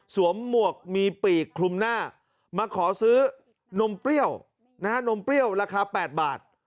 หมวกมีปีกคลุมหน้ามาขอซื้อนมเปรี้ยวนมเปรี้ยวราคา๘บาท